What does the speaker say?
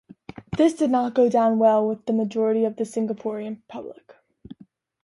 This did not go down well with the majority of the Singaporean public.